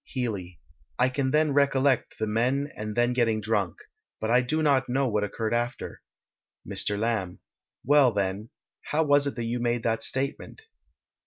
Healey: I can then recollect the men and then getting drunk, but I do not know what occurred after. Mr. Lamb: Well, then, how was it that you made that statement?